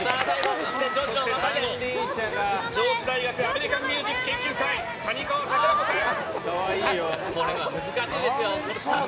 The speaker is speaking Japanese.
最後、上智大学アメリカンミュージック研究会谷川咲麗子さん。